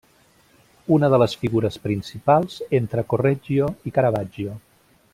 Una de les figures principals entre Correggio i Caravaggio.